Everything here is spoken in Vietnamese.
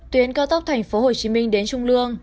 tuyến cao tốc tp hcm đến trung lương